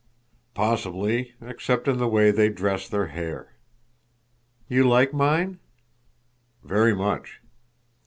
"Possibly—except in the way they dress their hair." "You like mine?" "Very much."